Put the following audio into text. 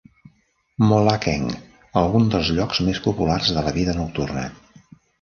Mohlakeng alguns dels llocs més populars de la vida nocturna.